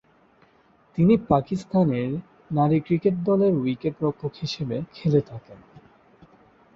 তিনি পাকিস্তান জাতীয় নারী ক্রিকেট দলের উইকেট-রক্ষক হিসেবে খেলে থাকেন।